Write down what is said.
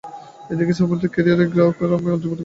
এদিকে সুশান্তের ক্যারিয়ারের গ্রাফ ক্রমে ঊর্ধ্বমুখী।